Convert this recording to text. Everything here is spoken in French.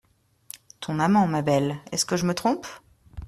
Ton amant, ma belle ; est-ce que je me trompe ?